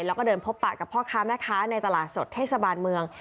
แล้วก็เดินพบปะกับพ่อค้าแม่ค้าในตลาดสดเทศบาลเมือง